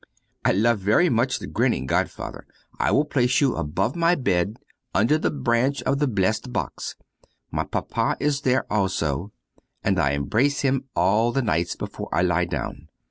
I love much the grinning godfather. I will place you above my bed, under the branch of blessed box. My Papa is there also, and I embrace him all the nights, before I lie down.